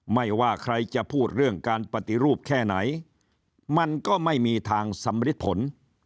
ไม่ว่าใครจะพูดเรื่องการปฏิรูปแค่ไหนมันก็ไม่มีทางสำริดผล